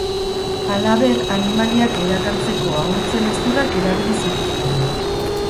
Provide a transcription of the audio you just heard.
Halaber, animaliak erakartzeko ahuntzen hezurrak erabili zituzten.